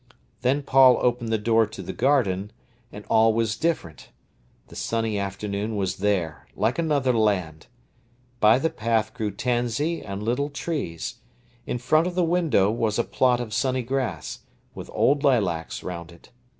Then Paul opened the door to the garden, and all was different. The sunny afternoon was there, like another land. By the path grew tansy and little trees. In front of the window was a plot of sunny grass, with old lilacs round it.